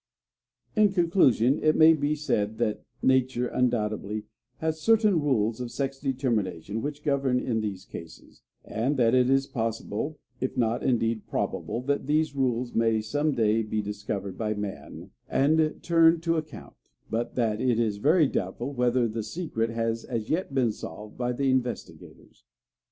In conclusion, it may be said that Nature undoubtedly has certain rules of sex determination which govern in these cases; and that it is possible if not indeed probable that these rules may some day be discovered by man, and turned to account; but that it is very doubtful whether the secret has as yet been solved by the investigators.